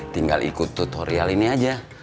tinggal ikut tutorial ini aja